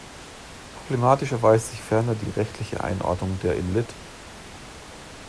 Problematisch erweist sich ferner die rechtliche Einordnung der in lit.